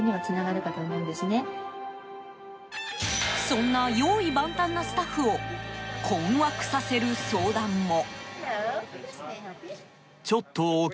そんな用意万端なスタッフを困惑させる相談も。